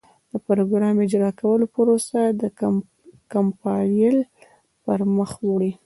د پراګرام اجرا کولو پروسه کمپایلر پر مخ وړي.